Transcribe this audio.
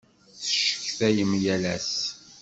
Tecetkayem yal ass.